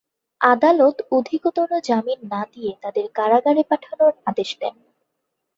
আদালত অধিকতর জামিন না দিয়ে তাদের কারাগারে পাঠানোর আদেশ দেন।